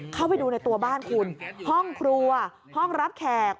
เข้าไปดูในตัวบ้านคุณห้องครัวห้องรับแขก